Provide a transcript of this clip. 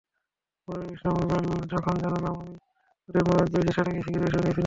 মনিরুল ইসলাম রুবেলযখন জানলাম আমি বিচারকদের মনোনয়ন পেয়েছি, সেটাকেই স্বীকৃতি হিসেবে নিয়েছিলাম।